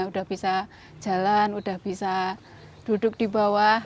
sudah bisa jalan sudah bisa duduk di bawah